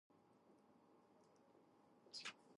Bogachyov then purchased natural gas fields all over Russia.